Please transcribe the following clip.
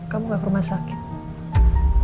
kamu gak ke rumah sakit